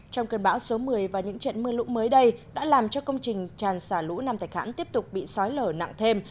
trong cơn bão số một mươi và những trận mưa lũ mới đây đã làm cho công trình tràn xả lũ nam thạch hãn tiếp tục bị sói lở nặng thêm